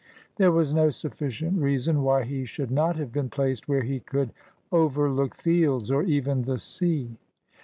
There was no sufficient reason why he should not have been placed where he could overlook fields, or even the sea.